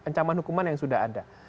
sesuai dengan ancaman hukuman yang sudah ada